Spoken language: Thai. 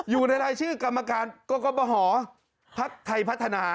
อยู่ในรายชื่อกรรมการกรกบหอพักไทยพัฒนา